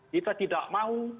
kita tidak mau